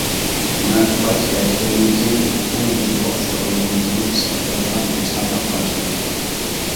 مەن قايتا تەكىتلەيمەنكى: بىزنىڭ ھۇجۇمغا ئۇچرىغانلىقىمىزنى ئىسپاتلايدىغان ھېچقانداق پاكىت يوق.